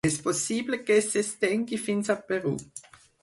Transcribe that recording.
És possible que s'estengui fins al Perú.